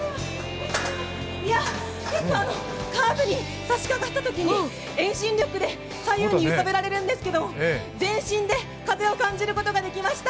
結構カーブに差しかかったときに遠心力で左右に揺さぶられるんですけれども全身で風を感じることができました。